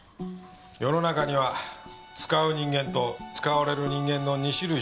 世の中には使う人間と使われる人間の２種類しかいない。